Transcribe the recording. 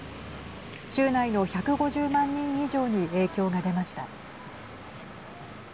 州内の１５０万人以上に影響が出ました。